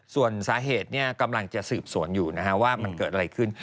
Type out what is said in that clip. ส่วนสาเหตุกำลังจะสืบสวนอยู่นะฮะว่ามันเกิดอะไรขึ้น